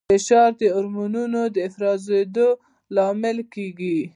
فشار د هورمونونو د افرازېدو لامل کېږي.